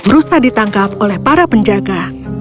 rusa ditangkap oleh para penjaga